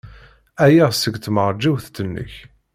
Ɛyiɣ seg tmeṛjiwt-nnek.